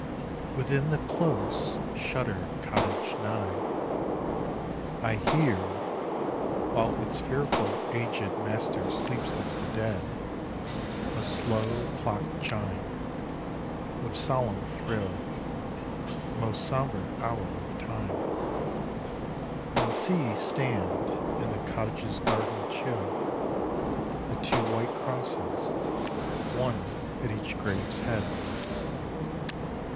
Within the close shuttered cottage nigh I hear while its fearful, ag'd master sleeps like the dead A slow clock chime With solemn thrill The most sombre hour of time, And see stand in the cottage's garden chill The two white crosses, one at each grave's head....